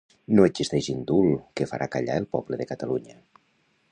No existeix indult que farà callar el poble de Catalunya